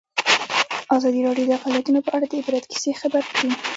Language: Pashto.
ازادي راډیو د اقلیتونه په اړه د عبرت کیسې خبر کړي.